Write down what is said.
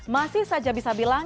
masih saja bisa dikutuk